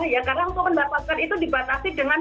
ya karena kok pendapatan itu dibatasi dengan